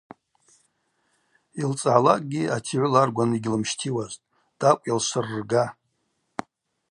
Йылцӏгӏалакӏгьи атигӏвы ларгван йгьлымщтиуазтӏ: – Тӏакӏв йалсшвыррга.